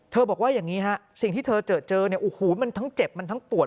บอกว่าอย่างนี้ฮะสิ่งที่เธอเจอเจอเนี่ยโอ้โหมันทั้งเจ็บมันทั้งปวด